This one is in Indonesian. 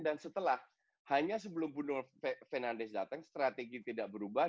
dan setelah hanya sebelum bruno fernandes datang strategi tidak berubah